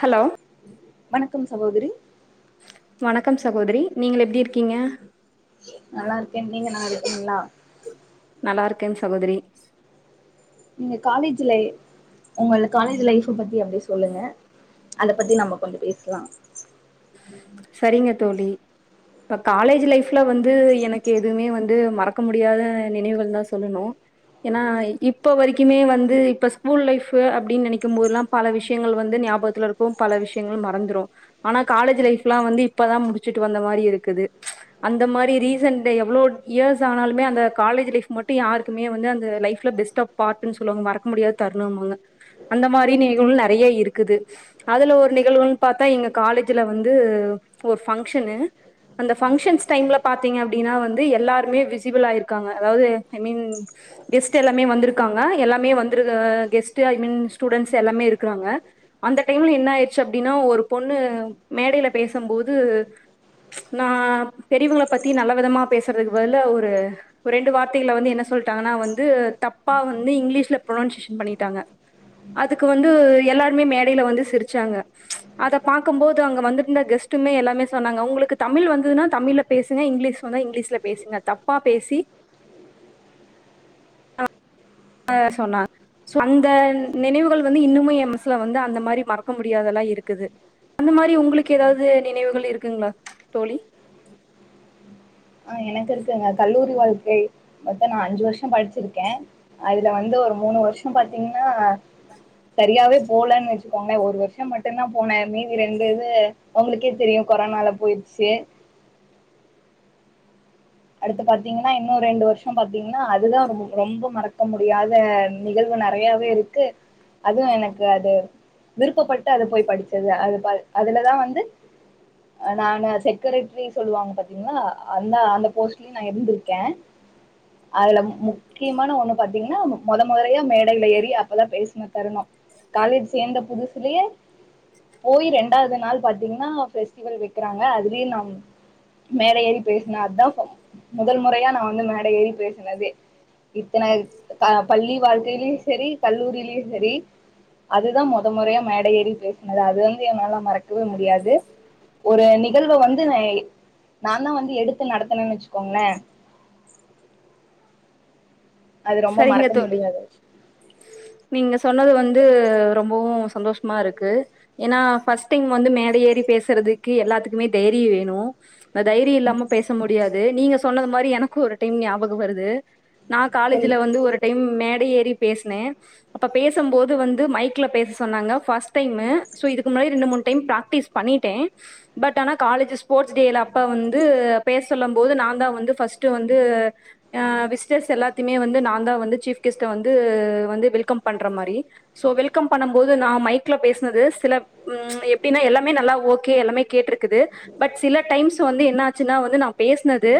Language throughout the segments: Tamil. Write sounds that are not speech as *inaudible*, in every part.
ஹலோ வணக்கம் சகோதரி வணக்கம் சகோதரி நீங்க எப்படி இரு நல்லா இருக்கேன் நீங்க நல்லரு என்னா நல்லா இருக்கேன் சகோதரி நீங்க காலேஜ் உங்கள காலேஜ் லைஃப் பத்தி அப்டி சொல்லுங்க அத பத்தி நம்ம கொஞ்சம் பேசலாம் சரிங்க தோழி இப்ப காலேஜ் லைஃப்ல வந்து எனக்கு எதுவுமே வந்து மறக்க முடியாத நினைவுகள் தான் சொல்லணும் ஏன்னா இப்ப வரைக்குமே வந்து இப்ப ஸ்கூல் லைப் அப்படின்னு நினைக்கும் போதுல்லாம் பல விஷயங்கள் வந்து ஞாபகத்துல இருக்கும் பல விஷயங்கள் மறந்துரும் ஆனா காலேஜ் லைஃப் நான வந்து இப்பதான் முடிச்சுட்டு வந்த மாரி இருக்கு அந்த மாரி ரீசன் எவ்ளோ இயர்ஸ் ஆனாலும் அந்த காலேஜ் லைஃப் யாருக்குமே வந்துட்டு டிஸ்டர்ப் பாயிண்ட் மறக்க முடியாத தருணம் அப்டின்னு சொல்லுவாங்க அந்த மாரி நிகழ்வுகள் நெறைய இருக்கு அதுல ஒரு நிகழ்வுன்னு பாத்தா இது ஒரு ஃபங்ஷன் அந்த ஃபங்ஷன் டைம்ல பாத்தீங்கன்னா எல்லாருமே பிஸி ஃபுல்லா இருக்காங்க அதாவது ஐ மீன் கெஸ்ட் எல்லாரும் வந்திருக்காங்க வந்திருக்கு கெஸ்ட் ஸ்டுடென்ட் எல்லாமே இருக்காங்க ஆயிருச்சுன்னா பொண்ணு மேடயில பேசும்போது நான் பெரியவங்கள பத்தி நல்ல விதமா பேசுறதுக்கு பதில ஒரு ரெண்டு வார்த்தைகளை வந்து என்ன சொல்லிட்டாங்கன்னா வந்து தப்பா வந்து இங்கிலீஷில பு்ரொனன்சியேஷன் பண்ணிட்டாங்க அதுக்கு வந்து எல்லாருமே மேடயில வந்து சிரிச்சாங்க அத பாக்கபோது அங்க வந்திருந்த கெஸ்ட்டுமே எல்லாமே சொன்னாங்க உங்களுக்கு தமிழ் வந்ததுன்னா தமிழ் பேசுங்க இங்கிலிஷ் வந்தா இங்கிலீஷல பேசுங்க தப்பா பேசி ஆ சொன்னா சோ அந்த நினைவுகள் வந்து இன்னுமே என் மசுல வந்து அந்த மாரி மறக்க முடியாதெல்லாம் இருக்குது அந்த மாரி உங்களுக்கு ஏதாவது நினைவுகள் இருக்குங்களா தோழி ஆ எனக்கு இருக்குங்க கல்லூரி வாழ்க்கை மத்தம் நான அஞ்சு வருஷம் படிச்சிருக்கேன் அதுல வந்து ஒரு மூணு வருஷம் பாத்தீங்கன்னா சரியாவே போலன்னு வச்சுக்கோங்களேன் ஒரு வருஷம் மட்டும்தான் போனேன் மீதி ரெண்டு இது உங்களுக்கே தெரியும் கொரோனால போயிருச்சு அடுத்து பா்த்தீங்கன்னா இன்னும் ரெண்டு வருஷம் பாத்தீங்கன்னா அதுதான் ரொம்ப மறக்க முடியாத நிகழ்வு நெறையாவே இருக்கு அதுவும் எனக்கு அது விருப்பப்பட்டு அது போய் படிச்சது அது அதுலதான் வந்துஹ நான செக்ரட்டரி சொல்லுவாங்க பாத்தீங்கன்னா அந்த அந்த மோஸ்ட்லி நான இருந்திருக்கேன் அதுல முக்கியமான ஒண்ணு பாத்தீங்கன்னா முதல் முறையா மேடயில ஏறி அப்பல்லாம் பேசின தரணும் காலேஜ சேர்ந்த புதுசுலேயே போய் ரெண்டாவது நாள் பாத்தீங்கன்னா பெஸ்டிவல் இருக்கிறாங்க அதுலயும் நம் மேல ஏறி பேசின அதான் முதல் முறையா நான் வந்து மேட ஏறி பேசினதே இத்தனை பள்ளி வாழ்கை பள்ளிலயும் சரி கல்லூரிலயும் செரி அதுதான் முத முறையா மேட ஏறி பேசினது அது வந்து னால மறக்கவே முடியாது ஒரு நிகழ்வை வந்து நான தான் வந்து எடுத்து நடத்த சொன்னேன்னு வச்சுக்கோங்களேன் சரிங்க தோழி முடியாது நீங்க சொன்னது வந்து ரொம்ப சந்தோஷமா இருக்கு ஏன்னா டைம் வந்து மேட ஏறி பேசுறதுக்கு எல்லாத்துக்குமே தைரியம் வேணும் தைரியம் இல்லாம பேச முடியாது நீங்க சொன்னது மாரி எனக்கும் ஒரு டைம் ஞாபகம் வருது நான சொல் இதுல வந்து ஒரு டைம் மேட ஏறி பேசினேன் அப்ப பேசும்போது வந்து மைக்ல பேச சொன்னாங்க பஸ்ட் டைம் சோ இது முன்னாடி ரெண்டு மூணு டைம் ப்ராக்டீஸ் பண்ணிட்டே பட் ஆனா காலேஜ் ஸ்போர்ட்ஸ் டேல அப்ப வந்து பேச சொல்லும்போது நான்தா வந்து ஃபர்ஸ்ட் வந்து ஆ விஷ் ஜஸ்ட் எல்லாத் வந்து நாந்தா வந்து சீஃப் கெஸ்ட்ட வந்து வந்து வெல்கம் பண்ற மாரி சோ வெல்கம் பண்ணும்போது நா மைக்ல பேசுனது சில ம் எப்டின்னா எல்லாமே நல்லா ஓகே எல்லாமே கேட்ருக்குது பட் சில டைம்ஸ் வந்து என்ன ஆச்சுன்னா வந்து நா பேசுனது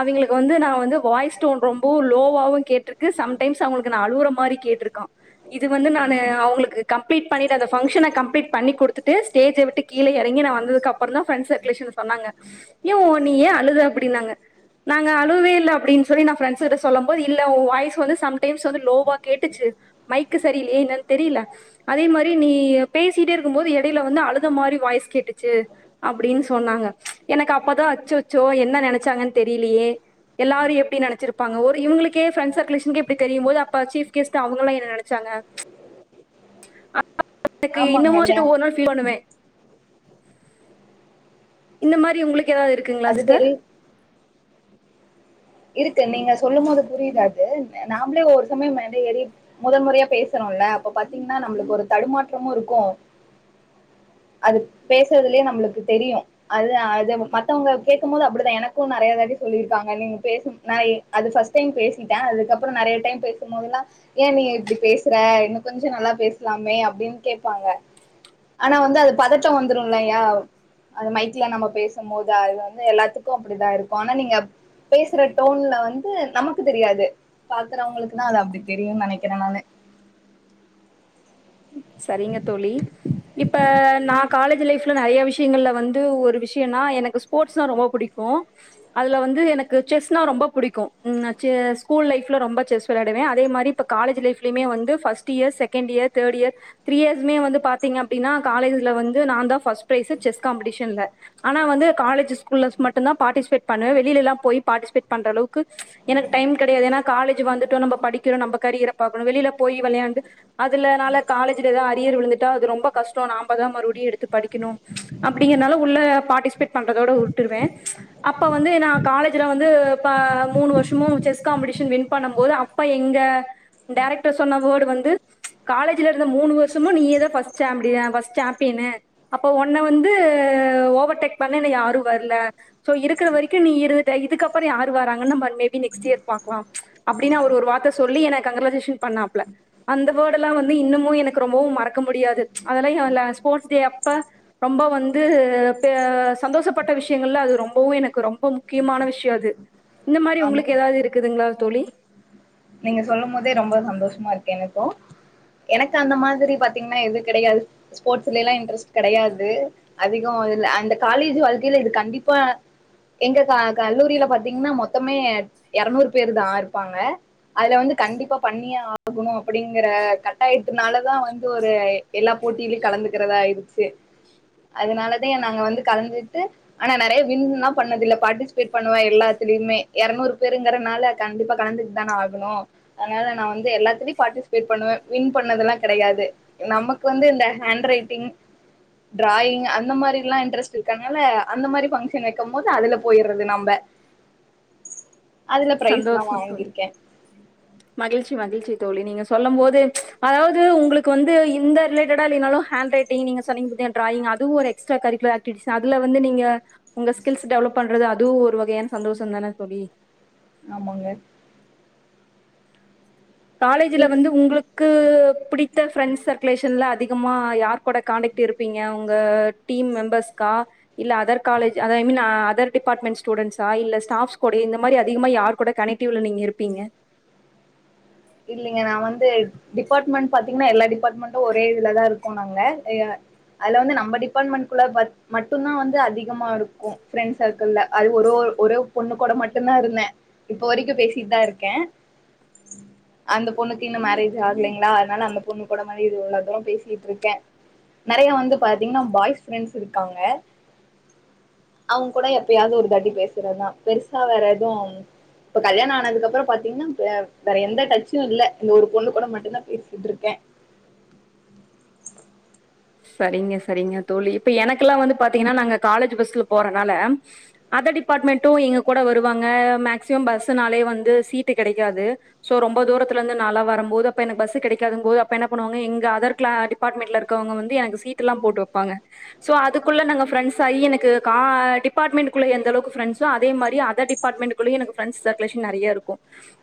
அவெங்களுக்கு வந்து நா வந்து வாய்ஸ்டோன் ரொம்பவு ஸ்லோவாவு கேட்ருக்கு சம்டைம்ஸ் அவுங்களுக்கு நா அழுவுற மாரி கேட்டுருக்கா இது வந்து நானு அவுங்களுக்கு கம்ப்ளீட் பண்ணிட்டு அந்த பங்க்ஷன கம்ப்ளீட் பண்ணி குடுத்துட்டு ஸ்டேஜ விட்டு கீழ எறங்கி நா வந்ததுக்கு அப்புறம்தா ஃபிரண்ட்ஸ் சர்குலேஷன்ல சொன்னாங்க ஏன் உ நீ ஏன் அழுத அப்டிங்னாங்க நா அங்க அழுவவே இல்ல அப்படின் சொல்லி ஃப்ரெண்ட்ஸ் கிட்ட சொன் சொல்லம் போது இல்ல உன் வாய்ஸ் வந்து சம்டைம்ஸ் வந்து லோவா கேட்டுச்சு மைக்கு சரியில்லையே என்னன்னு தெரியல அதே மாரி நீ பேசிட்டே இருக்கும் போது எடையில வந்து அழுத மாரி வாய்ஸ் கேட்டுச்சு அப்டின்னு சொன்னாங்க எனக்கு அப்பதா அச்சோச்சோ என்ன நெனைச்சாங்கன்னு தெரியலயே எல்லாரு எப்டி நெனைச்சிருப் ப்பாங்க ஒரு இவுங்களுக்கே ஃபிரண்ட்ஸ் சர்குலேஷன்கே இப்டி தெரியும் போது அப்ப சீஃப் கெஸ்ட் அவுங்கல்லா என்ன நெனைச்சாங்க அப் எனக்கு இன்னு ஆமாங்க இல்ல முச்சுட்டு ஒரு நாள் ஃபீல் பண்ணுவே இந்த மாரி உங்களுக் ஏதாவது இருக்குங்களா அது சிஸ்டர் தெரியு இருக்கு நீங்க சொல்லும் போது புரியுது அது நாமளே ஒரு சமயம் மேல ஏறி முதல் முறையா பேசுறோம்ல அப்ப பாத்தீங்கன்னா நம்மளுக்கு ஒரு தடுமாற்றமு இருக்கு அது பேசுறதுலயே நம்மளுக்கு தெரியு அது அது மத்தவங்க கேக்கும் போது அப்படிதா எனக்கும் நெறையதாட்டி சொல்லிருக்காங்க நீங் பேசும் நா அது ஃபர்ஸ்ட் டைம் பேசிட்டே அதுக்கப்புறோ நெறைய டைம் பேசும்போதெல்லா ஏன் நீ இப்டி பேசுற இன்னு கொஞ்ச நல்லா பேசலாமே அப்டின்னு கேப்பாங்க ஆனா வந்து அது பதட்டம் வந்துரும்லயா அது மைக்ல நம்ம பேசும்போது அது வந்து எல்லாத்துக்கும் அப்படிதா இருக்கும் ஆனா நீங்க பேசுற டோன்ல வந்து நமக்கு தெரியாது பாக்குறவங்களுக்குதா அது அப்டி தெரியும்னு நெனைக்கிறே நானு சரிங்க தோழி இப்ப நா காலேஜ் லைஃப்ல நெறைய விஷயங்கள்ல வந்து ஒரு விஷயம்னா எனக்கு ஸ்போர்ட்ஸ்னா ரொம்ப புடிக்கு அதுல வந்து எனக்கு செஸ்னா ரொம்ப புடிக்கு நா செ ஸ்கூல் லைஃப்ல ரொம்ப செஸ் வெளையாடுவே அதே மாரி இப்ப காலேஜ் லைஃப்லயுமே வந்து first year second year third year three இயர்ஸ்மே வந்து பாத்தீங்க அப்டினா காலேஜ்ல வந்து நான்தா ஃபர்ஸ்ட் பிரைஸ் செஸ் காம்பெடிஷன்ல ஆனா வந்து காலேஜ் ஸ்கூல்லஸ் மட்டும்தா பாட்டிஸ்பேட் பண்ண வெளில போய் பாட்டிஸ்பேட் பண்ற அளவுக்கு எனக்கு டைம் கெடையாது ஏன்னா காலேஜ் வந்துட்டோ நம்ப படிக்கறோ நம்ப கேரியர பாக்கணு வெளியில போய் வெளையாண்டு அது அதுலனால காலேஜ்ல ஏதாவது அரியர் விழுந்துட்டா அது ரொம்ப கஷ்டோ நாம்பதா மறுபடியு எடுத்து படிக்கணு அப்டிங்கறனால உள்ள பார்ட்டிசிபேட் பண்றதோட உட்டுருவேன் அப்ப வந்து நான் காலேஜ்ல வந்து ப்ப மூணு வருஷமு செஸ் காம்படிஷன் வின் பண்ணும் போது அப்ப எங்க டைரக்டர் சொன்ன வேர்டு வந்து காலேஜ்ல இருந்த மூணு வருஷமும் நீயே தான் சாம்பியனு அப்ப உன்னனை வந்து ஓவர்டேக் பண்ண யாரும் வரல சோ இருக்கிற வரைக்கும் நீ இதுக்கப்புறம் யாரு வராங்கன்னு ந மேபி நெக்ஸ்ட் இயர் பாக்கலாம் அப்படின்னு அவ ஒரு வார்த்தை சொல்லி என கங்கராச்சுலேஷன் பண்லாப்ல அந்த எல்லாம் வந்து இன்னமும் எனக்கு ரொம்பவும் மறக்க முடியாது அதெல்ல ஸ்போர்ட்ஸ் டே அப்ப ரொம்ப வந்து சந்தோஷப்பட்ட விஷயங்கள்ல அது ரொம்பவும் எனக்கு ரொம்ப முக்கியமான விஷயம் அது இந்த மாதிரி ஆமா உங்களுக்கு ஏதாவது இருக்கு இதுக்துங்களா தோழி நீங்க சொல்லும் போதே ரொம்ப சந்தோஷமா இருக்கு எனக்கும் எனக்கு அந்த மாதிரி பாத்தீங்கன்னா எது கிடையாது ஸ்போர்ட்ஸ்ல எல்லாம் இன்ட்ரெஸ்ட் கிடையாது அதிகம் இ அந்த காலேஜ் வாழ்க்கையில இது கண்டிப்பா எங்க கல்லூரியில பாத்தீங்கன்னா மொத்தமே இருநூறு பேரு தான் இருப்பாங்க அதுல வந்து கண்டிப்பா பண்ணியே ஆகணும் அப்படிங்கற கட்டாயத்துனாலதான் வந்து ஒரு எல்லா போட்டியிலயும் கலந்துக்கிறதாயிச்சு அதனாலதான் நாங்க வந்து கலந்துட்டு ஆனா நிறைய வின்லாம் பண்ணதேயில்ல பார்ட்டிசிபேட் பண்ணுவேன் எல்லாத்தலயுமே இருநூறு பேருங்கறனால கண்டிப்பா கலந்துட்டு தான் அதனால நான் வந்து எல்லாத்த பாட்டிஸ்ப்பே பண்ணுவேன் வின் பண்ணதெல்லாம் கிடையாது நமக்கு வந்து ஹேண்ட் ரைடிங் டிராயிங் அந்த மாரியல்லாம் இன்ட்ரஸ்ட் இருக்காங்கல்ல அந்த மாதிரி பங்க்ஷன் வைக்கும் போத அதுல போயடுறது நம்ம அதுல பிரைஸ்ல்லாம் சந்தோஷம் தோழி வாங்கிருக்கேன் மகிழ்ச்சி மகிழ்ச்சி தோழி நீங்க சொல்லும் போது அதாவது உங்களுக்கு வந்து இந்த ரிலேட்டடா இல்லைனாலும் ஹேண்ட் ரைட்டிங் நீங்க சொன்னீங்க பாத்தியா டிராயிங் அதுவும் ஒரு எக்ஸ்ட்ரா கரிக்குலர் ஆக்டிவிட்டிஸ் அதுல வந்து நீங்க உங்க ஸ்கில்ஸ் டெவலப் பண்றது அதுவும் ஒரு வகையான சந்தோஷம் தானே தோழி ஆமாங்க நீ காலேஜ்ல வந்து உங்களுக்கு க்கு பிடித்த பிரெண்ட்ஸ் சர்க்குலேஷன்ல அதிகமா யார் கூட காண்டெக்ட் இருப்பீங்க உங்க டீம் மெம்பர்ஸ்கா இல்ல other college mean other department ஸ்டூடெண்ட்ஸா இல்ல ஸ்டாப்ஸ் கூட இந்த மாதிரி அதிகமா யார் கூட கனெக்டிவ்ல நீங்க இருப்பீங்க இல்லலைங்க நான் வந்து டிபார்ட்மெண்ட் பாத்தீங்கன்னா எல்லா டிபார்ட்மெண்டும் ஒரே இதுலதான் இருக்கோம் நாங்க அது வந்து நம்ம டிபார்ட்மெண்ட் குள்ள மட்டும்தான் வந்து அதிகமா இருக்கும் பிரெண்ட் ஷ இல்ல அது ஒரு ஒரு பொண்ணு கூட மட்டும்தான் இருந்தேன் இப்போ வரைக்கும் பேசிட்டு தான் இருக்கேன் அந்த பொண்ணுக்கு இன்னும் மேரேஜ் ஆகலைங்களா அதனால அந்த பொண்ணு கூட மாதிரி இது உள்ள தூரம் பேசிட்டு இருக்கேன் நிறைய வந்து பாத்தீங்கன்னா பாய்ஸ் ஃப்ரெண்ட்ஸ் இருக்காங்க அவங்க கூட எப்பயாவது ஒரு தாட்டி பேசுறதுதான் பெருசா வேற எதும் இப்ப கல்யாணம் ஆனதுக்குப்புறம் பாத்தீங்கன்னா ஏஸ் வேற எந்த டச் இல்ல இந்த ஒரு பொண்ணு கூடம் மட்டும்தான் பேசிட்டு இருக்கேன் சரிங்க சரிங்க தோழி இப்ப எனக்கெல்லாம் வந்து பாத்தீங்கன்னா நாங்க காலேஜ் பஸ்ல போறனால அதர் டிபார்ட்மெண்ட்டும் எங்க கூட வருவாங்க மேக்சிமம் பஸ்னாலே வந்து சீட்டு கிடைக்காது சோ ரொம்ப தூரத்துல இருந்து நானெல்லாம் வரும்போது அப்ப எனக்கு பஸ் கிடைக்காது போது அப்ப என்ன பண்ணுவாங்க எங்க அதர் கிள டிபார்ட்மெண்ட்ல இருக் க்குவங்க வந்து எனக்கு சீட்டு எல்லா போட்டு வைப்பாங்க சோ அதுக்குள்ள நாங்க ஃப்ரெண்ட்ஸாகி எனக்கு கா டிபார்ட்மெண்ட் குள்ள எந்தளவு ஃப்ரெணாட்ஸோ அதே மாரி அதர் டிபார்ட்மெண்ட்குள்ளையும் எனக்கு ஃப்ரெண்ட்ஸ் சர்குளேஷன் நெறைய இருக்கும்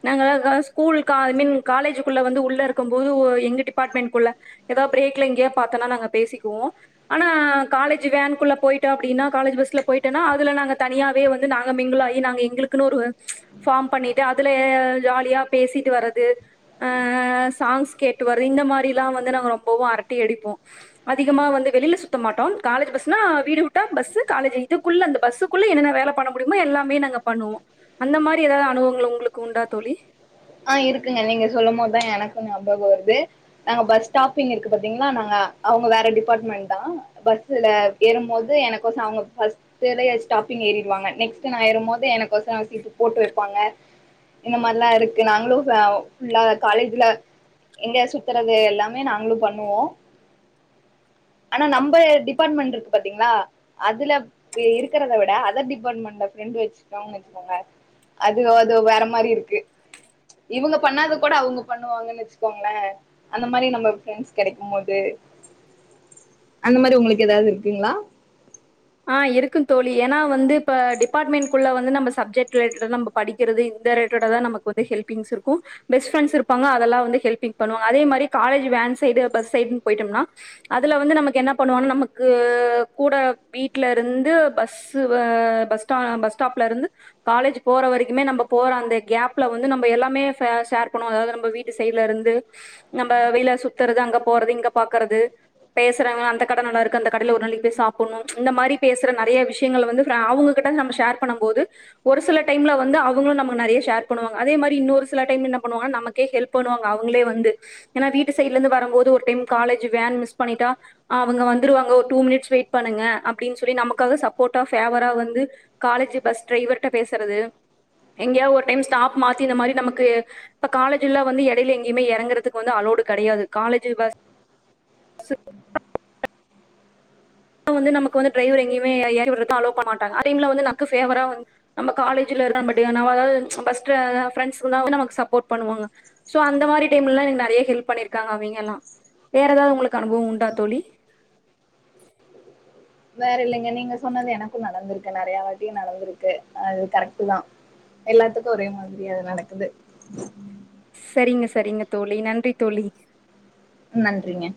நாங்க எல்லா ஸ்கூல் கா மின் காலேஜ் குள்ள வந்து உள்ள இருக்கும் போது எங்க டிபாட்ர்மெண்ட் குள்ள ஏதோ பிரேக்ல எங்க பாத்தோனா நாங்க பேசிக்குவோம் ஆனா காலேஜ் வேனுகுள்ள போயிட்டோம் அப்படின்னா காலேஜ் பஸ்ல போயிட்டோன்னா அதுல நாங்க தனியாவே வந்து நாங்க மிங்குளாகி நாங்க எங்களுக்குன்னு ஒரு ஃபார்ம் பண்ணிட்டு அதுல ஜாலியா பேசிட்டு வரது ஹ ஹ சாங்ஸ் கேட்டு வரு இந்த மாதிரிலாம் வந்து நாங்க ரொம்பவும் அரட்டை அடிப் ப்போம் அதிகமா வந்து வெளியில சுத்த மாட்டோம் காலேஜ் பஸ்னா வீடு விட்டா பஸ் காலேஜ் இதுக்குள்ள அந்த பஸ்ஸுக்குள்ள என்னென்ன வேலை பண்ண முடியுமோ எல்லாமே நாங்க பண்ணுவோம் அந்த மாதிரி ஏதாவது அனுபவங்கள் உங்களுக்கு உண்டா தோழி ஆஹ் இருக்குங்க நீங்க சொல்லும் போதுதான் எனக்கும் ஞாபகம் வருது நாங்க பஸ் ஸ்டாப்பிங் இருக்கு பாத்தீங்களா நாங்க அவுங்க வேற டிபார்ட்மெண்ட் தான் பஸ்ல ஏறும்போது எனக்குசம் அவுங்ஃபஸ்ட் ஸ்டாப்பிங் ஏறிடுவாங்க நெக்ஸ்ட் நான் ஏறும்போது எனக்கு சம் சீட்டு போட்டு வைப்பாங்க இந்த மாரிலாம் இருக் நாங்களும் ஃபுல்லா காலேஜ்ல எங்க சுத்துறது எல்லாமே நாங்களும் பண்ணுவோம் ஆனா நம்ம டிபார்ட்மெண்ட் இருக்கு பாத்தீங்களா அதுல இருக்கறத விட அதர் டிபார்ட்மெண்ட்ல ஃப்ரெண்ட் வச்சு இருக்கோம்னு வச்சுக்கோங்க அது வேற மாதிரி இருக்கு இவுங்க பண்ணாதது கூட அவுங்க பண்ணுவாங்கன்னு வச்சுக்கோங்களேன் அந்த மாதிரி நம்ம ஃப்ரெண்ட்ஸ் கெடைக்கும் போது அந்த மாரி உங்களுக்கு ஏதாவது இருக்குங்களா ஆஹ இருக்கு தோழி ஏன்னா வந்து இப்ப டிபார்ட்மெண்ட்குள்ள வந்து நம்ம சப்ஜெக்ட் ரிலேட்டடு நம்ம படிக்கிறது இந்த ரிலட்டடாக தான் நமக்கு வந்து ஹெல்பிங்ஸ் இருக்கும் பெஸ்ட் ஃப்ரெண்டஸ் இருப்பாங்க அதெல்லாம் வந்து ஹெல்பிங் பண்ணுவாங்க அதே மாதிரி college van side bus side போய்டோம்னா அதுல வந்து நமக்கு என்ன பண்ணுவாணு நமக்கு கூட வீட்டுல இருந்து பஸ் ஸ்டாப்ல இருந்து காலேஜ் போற வரைக்குமே நம்ப போற அந்த கேப்ல வந்து நம்ப எல்லாமே ஷேர் பண்ணுவாங்க நம்ம வீட்டு சைட்ல இருந்து நம்ப வெளில சுத்துற அங்க போறது இங்க போ பாக்குறது பேசுறாங்க அந்த கடை நல்லா இருக்கு அந்த கடையில ஒரு நாள் போய் சாப்புடனும் இந்த மாரி பேசுற நறைய விஷயங்கள் வந்து அவுங்க கிட்ட இருந்து நம்ம ஷேர் பண்ணும்போது ஒரு சில டைம்ல வந்து அவுங்களும் நமக்கு நறைய ஷேர் பண்ணுவாங்க அதே மாரி இன்னும் ஒரு சில டைம்ல என்ன பண்ணுவாங்கனா நமக்கே ஹெல்ப் பண்ணுவாங்க அவுங்களே வந்து ஏனா வீட்டு சைட்ல இருந்து வரும் போது ஒரு டைம் காலேஜ் வேன் மிஸ் பண்ணிட்டா அவங்க வந்துருவாங்க ஒரு டூ மினிட்ஸ் வெயிட் பண்ணுங்க அப்டின்னு சொல்லி நமக்காக சப்போட்டா ஃபேவரா வந்து காலேஜ் பஸ் டிரைவர்ட பேசுறது எங்கயா ஒரு டைம் ஸ்டாப் மாத்தி இந்த மாரி நமக்கு இப்ப காலேஜ்ல வந்து இடையில எங்கேயுமே இறங்கறதுக்கு வந்து அலோடு கிடையாது காலேஜ் பஸ் ஸு *unintelligible* வந்து நமக்கு வந்து டிரைவர் எங்கயுமே இறக்கி விடக்கு அலோவ் பண்ண மாட்டாங்க அதே டைம்ல வந்து நமக்கு ஃபேவரா நம்ம காலேஜ்ல இருக்க பட் அதாவுது பஸ்ட் ஃப்ரெண்ட்யெல்லா நமக்கு சப்போர்ட் பண்ணுவாங்க சோ அந்த மாதிரி டைம்ல எனக்கு நெறைய ஹெல்ப் பண்ணிருாங்க அவுங்க எல்லா வேற ஏதாவது உங்களுக்கு அனுபவம் உண்டா தோழி வேற இல்லைங்க நீங்க சொன்னது எனக்கும் நடந்திருக்கு நறைய வாட்டி நடந்திருக்கு அது கரெக்ட் தான் எல்லாத்துக்கும் ஒரே மாதிரி அது நடக்குது சேரிங்க சேரிங்க தோழி நன்றி தோழி நன்றிங்க